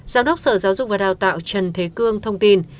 giám đốc sở giáo dục và đào tạo trần thế cương thông tin